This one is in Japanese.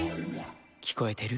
「きこえてる？